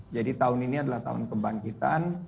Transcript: tahun ini adalah tahun kebangkitan